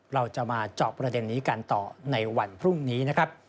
เราจะมาเจาะประเด็นนี้กันต่อในวันพรุ่งนี้นะครับ